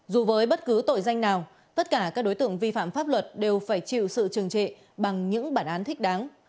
dù với bất cứ tội danh nào tất cả các đối tượng vi phạm pháp luật đều phải chịu sự trừng trị bằng những bản án thích đáng